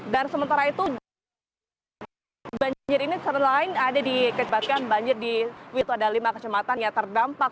dan sementara itu banjir ini serta lain ada dikecepatkan banjir di wilayah itu ada lima kecamatan yang terdampak